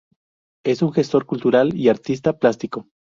Es un gestor cultural y artista plástico.